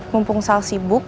mumpung sal sibuk